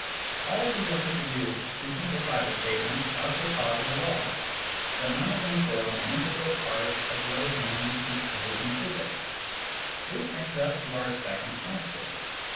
All these are introduced to simplify the statement of the causal laws, but none of them form an integral part of what is known to be true in physics. This brings us to our second answer.